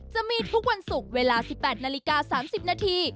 จะมีทุกวันศุกร์เวลา๑๘นาฬิกา๓๐นาที